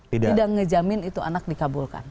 tidak ngejamin itu anak dikabulkan